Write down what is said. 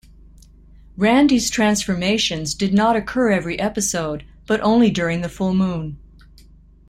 Randi's transformations did not occur every episode but only during the full moon.